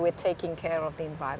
mengenai cara kita menjaga